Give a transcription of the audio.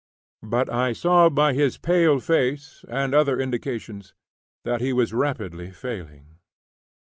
But I saw by his pale face, and other indications, that he was rapidly failing.